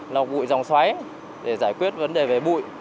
là bụi dòng xoáy để giải quyết vấn đề về bụi